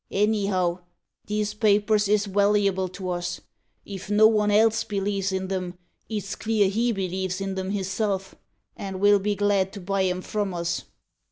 Anyhow, these papers is waluable to us. If no one else believes in 'em, it's clear he believes in 'em hisself, and will be glad to buy 'em from us."